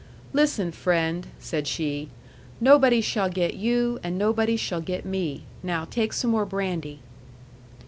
"Listen, friend," said she. "Nobody shall get you, and nobody shall get me. Now take some more brandy."